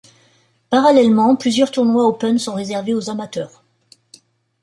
Parallèlement, plusieurs tournois opens sont réservés aux amateurs.